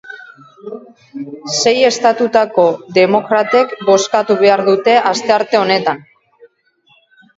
Sei estatutako demokratek bozkatu behar dute astearte honetan.